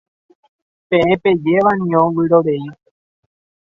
Peẽ pejéva niko vyrorei.